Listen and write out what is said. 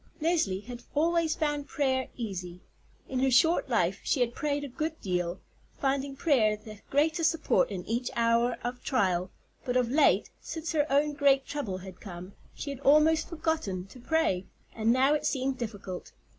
Leslie had always found prayer easy; in her short life she had prayed a good deal, finding prayer the greatest support in each hour of trial; but of late, since her own great trouble had come, she had almost forgotten to pray, and now it seemed difficult.